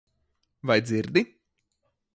Vai dzirdi?